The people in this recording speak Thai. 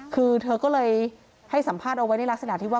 คือเธอก็เลยให้สัมภาษณ์เอาไว้ในลักษณะที่ว่า